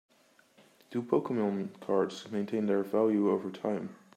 Do Pokemon cards maintain their value over time?